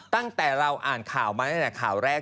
ตั้งแต่เราอ่านข่าวมาตั้งแต่ข่าวแรก